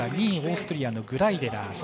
２位オーストリアのグライデラー。